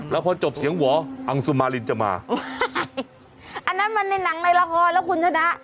แล้วพอจบเสียงหวอังสุมารินจะมาอันนั้นมันในหนังในละครแล้วคุณชนะ